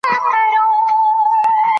که احتکار ونه شي نو قحطي نه راځي.